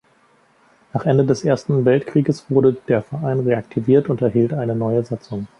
Nach Ende des Ersten Weltkrieges wurde der Verein reaktiviert und erhielt eine neue Satzung.